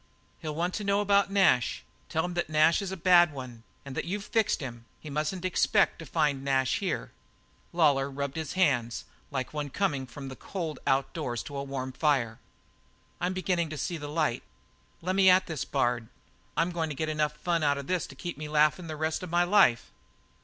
He'll want to know about Nash. Tell him that Nash is a bad one and that you've fixed him; he mustn't expect to find Nash here." Lawlor rubbed his hands, like one coming from the cold outdoors to a warm fire. "I'm beginning to see light. Lemme at this Bard. I'm going to get enough fun out of this to keep me laughin' the rest of my life."